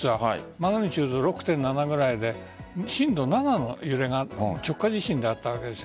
マグニチュード６．７くらいで震度７の揺れがあった直下地震だったわけです。